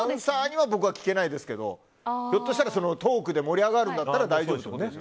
僕は聞けないですけどひょっとしたらトークで盛り上がるんだったらね。